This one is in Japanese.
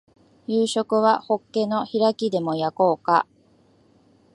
夕食はホッケの開きでも焼こうか